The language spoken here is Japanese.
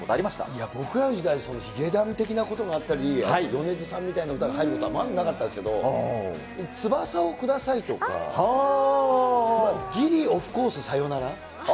いや、僕らの時代、ヒゲダン的なことがあったり、米津さんみたいな歌が入ることは、まずなかったですけど、翼をくださいとか。ぎりオフコース、なるほど。